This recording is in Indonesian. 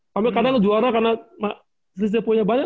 karena lu juara karena listnya punya banyak